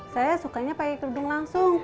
saya sukanya pakai kerudung langsung